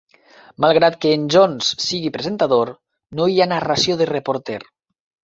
Malgrat que en Jones sigui presentador, no hi ha narració de reporter.